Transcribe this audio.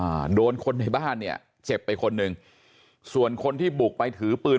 อ่าโดนคนในบ้านเนี่ยเจ็บไปคนหนึ่งส่วนคนที่บุกไปถือปืน